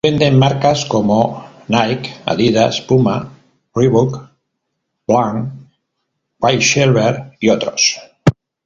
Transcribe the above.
Hoy venden marcas como Nike, Adidas, Puma, Reebok, Blend, Quiksilver y otros.